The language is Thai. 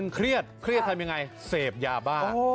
เครียดทำยังไงเสพยาบ้าง